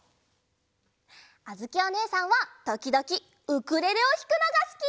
あづきおねえさんはときどきウクレレをひくのがすき！